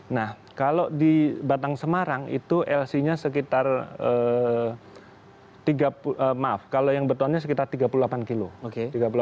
nah kalau di batang semarang itu lc nya sekitar tiga puluh delapan kg